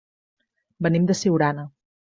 Venim de Siurana.